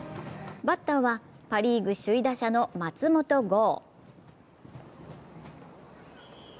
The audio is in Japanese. バッターはパ・リーグ首位打者の松本剛。